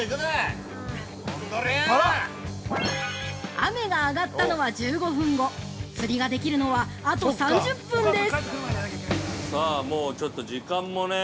◆雨が上がったのは１５分後、釣りができるのはあと３０分です。